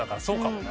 そうか。